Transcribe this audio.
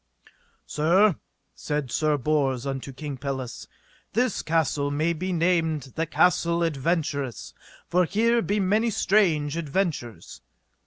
Sir, said Sir Bors unto King Pelles, this castle may be named the Castle Adventurous, for here be many strange adventures.